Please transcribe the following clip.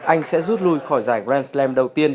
anh sẽ rút lui khỏi giải grand slam đầu tiên